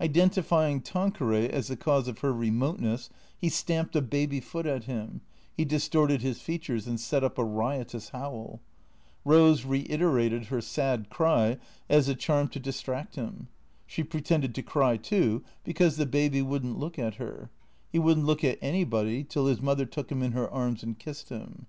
Identifying Tanqueray as the cause of her remoteness, he stamped a baby foot at him ; he distorted his features and set up a riotous howl. Eose reiterated her sad cry as a charm to distract him. She pretended to cry too, be cause the baby would n't look at her. He would n't look at anybody till his mother took him in her arms and kissed him.